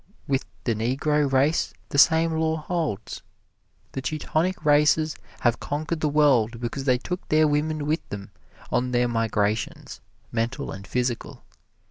With the Negro race the same law holds. The Teutonic races have conquered the world because they took their women with them on their migrations, mental and physical.